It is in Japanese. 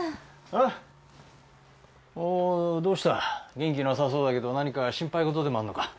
元気なさそうだけど何か心配事でもあんのか？